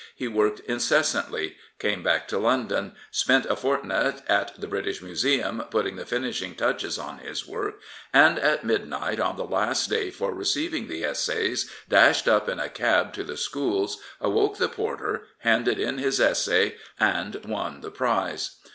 He worked incessantly; came back to London, spent a fortnight at the British Museum putting the finish ing touches on his work, and at midnight on the last day for receiving the essays dashed up in a cab to the schools, awoke the porter, handed in his essay, and won the prize.